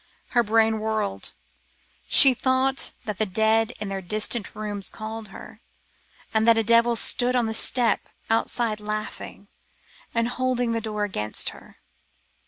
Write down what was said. Her brain whirled. She thought that the dead in their distant rooms called to her, and that a devil stood on the step outside laughing and holding the door against her.